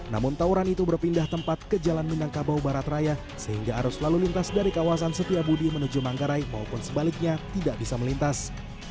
namun tauran itu berpindah tempat ke jalan minangkabau baratraya sehingga arus lalu lintas dari kawasan setia budi menuju manggarai maupun sebaliknya tidak bisa melintas